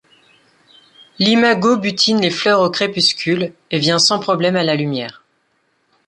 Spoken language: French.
L'imago butine les fleurs au crépuscule et vient sans problème à la lumière.